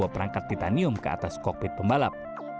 dua perangkat titanium ke atas kokpit pembalap